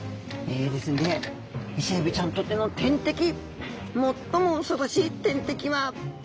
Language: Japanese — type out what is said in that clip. ですのでイセエビちゃんにとっての天敵最も恐ろしい天敵はマダコちゃんです。